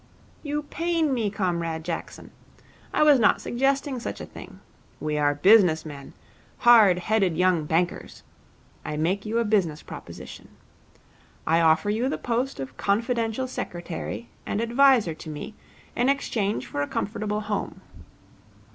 'You pain me, Comrade Jackson. I was not suggesting such a thing. We are business men, hard headed young bankers. I make you a business proposition. I offer you the post of confidential secretary and adviser to me in exchange for a comfortable home.